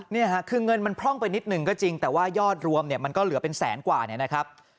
นี่ค่ะคือเงินมันพร่องไปนิดหนึ่งก็จริงแต่ว่ายอดรวมเนี่ยมันก็เหลือเป็นแสนกว่าเนี่ยนะครับ